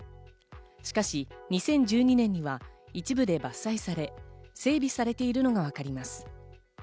しかし２０１２年には一部で伐採され、整備されているのがわかります。